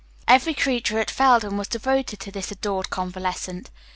Every creature at Felden was devoted to this adored convalescent.